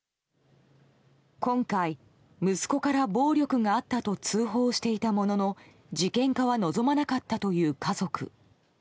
今回、息子から暴力があったと通報していたものの事件化は望まなかったという家族。